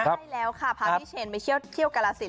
ใช่แล้วค่ะพาพี่เชนไปเที่ยวกาลสิน